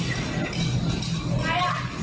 จังเจ้ากูเอาไว้